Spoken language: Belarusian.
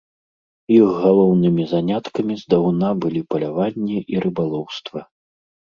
Іх галоўнымі заняткамі здаўна былі паляванне і рыбалоўства.